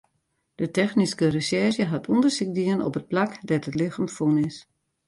De technyske resjerzje hat ûndersyk dien op it plak dêr't it lichem fûn is.